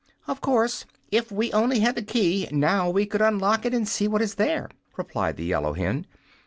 "Of course. If we only had the key, now, we could unlock it and see what is there," replied the yellow hen.